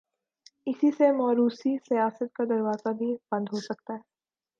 اسی سے موروثی سیاست کا دروازہ بھی بند ہو سکتا ہے۔